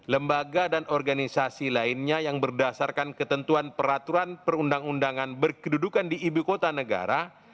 lembaga dan organisasi lainnya yang berdasarkan ketentuan peraturan perundang undangan berkedudukan di ibu kota negara